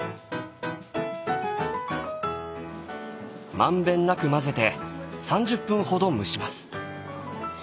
満遍なく混ぜて３０分ほど蒸します。